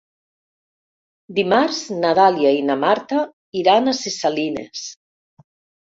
Dimarts na Dàlia i na Marta iran a Ses Salines.